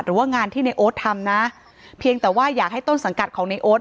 หรือว่างานที่ในโอ๊ตทำนะเพียงแต่ว่าอยากให้ต้นสังกัดของในโอ๊ต